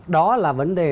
đó là vấn đề